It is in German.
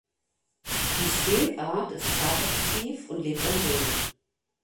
Die Skinkart ist tagaktiv und lebt am Boden.